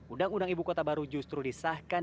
undang undang ibu kota baru justru disahkan